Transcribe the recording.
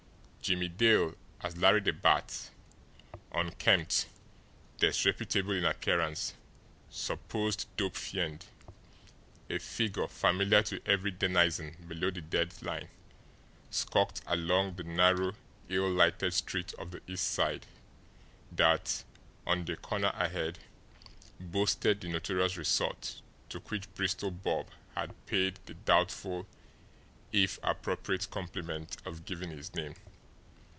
Jimmie Dale, as Larry the Bat, unkempt, disreputable in appearance, supposed dope fiend, a figure familiar to every denizen below the dead line, skulked along the narrow, ill lighted street of the East Side that, on the corner ahead, boasted the notorious resort to which Bristol Bob had paid the doubtful, if appropriate, compliment of giving his name.